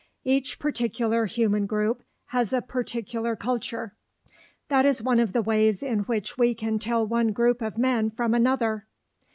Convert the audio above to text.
Each particular human group has a particular culture; that is one of the ways in which we can tell one group of men from another.